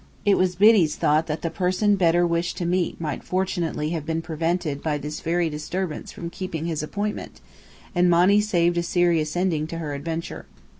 It was Biddy's thought that the person Bedr wished to meet might fortunately have been prevented by this very disturbance from keeping his appointment, and Monny saved a serious ending to her adventure.